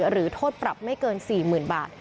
หรือโทษปรับไม่เกิน๔๐๐๐บาท